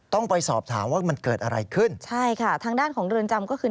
ต้องไปสอบถามว่ามันเกิดอะไรขึ้นใช่ค่ะทางด้านของเรือนจำก็คือ